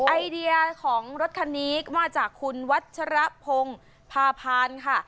ไอเดียของรถคันนี้มาจากคุณวัชรพงศ์พาพานค่ะ